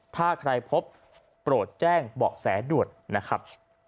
ถ้าใครพบโปรดแจ้งเบาะแสด่วนนะครับ